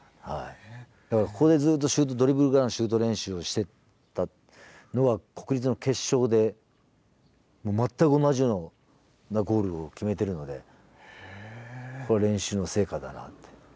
だからここでずっとドリブルからのシュート練習をしてたのは国立の決勝で全く同じようなゴールを決めてるのでこれ練習の成果だなって。